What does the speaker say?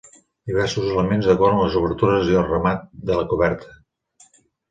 Diversos elements decoren les obertures i el remat de coberta.